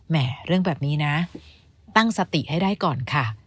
เรื่องแบบนี้นะตั้งสติให้ได้ก่อนค่ะ